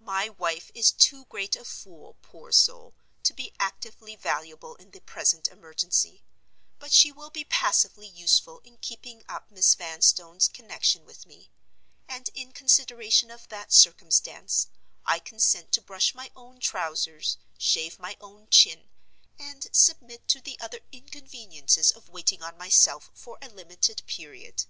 My wife is too great a fool, poor soul, to be actively valuable in the present emergency; but she will be passively useful in keeping up Miss Vanstone's connection with me—and, in consideration of that circumstance, I consent to brush my own trousers, shave my own chin, and submit to the other inconveniences of waiting on myself for a limited period.